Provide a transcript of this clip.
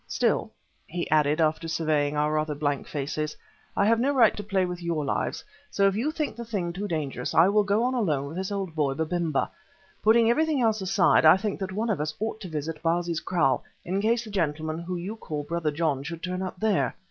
Still," he added after surveying our rather blank faces, "I have no right to play with your lives, so if you think the thing too dangerous I will go on alone with this old boy, Babemba. Putting everything else aside, I think that one of us ought to visit Bausi's kraal in case the gentleman you call Brother John should turn up there.